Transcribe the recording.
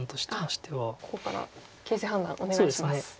ここから形勢判断お願いします。